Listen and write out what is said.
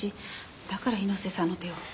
だから猪瀬さんの手を。